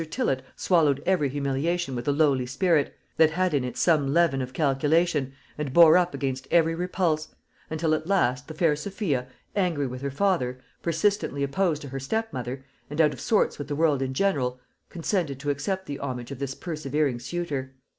Tillott swallowed every humiliation with a lowly spirit, that had in it some leaven of calculation, and bore up against every repulse; until at last the fair Sophia, angry with her father, persistently opposed to her stepmother, and out of sorts with the world in general, consented to accept the homage of this persevering suitor.